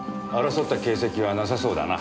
争った形跡はなさそうだな。